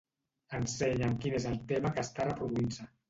Ensenya'm quin és el tema que està reproduint-se.